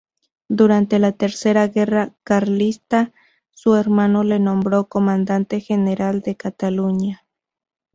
Durante la Tercera Guerra Carlista su hermano le nombró comandante general de Cataluña.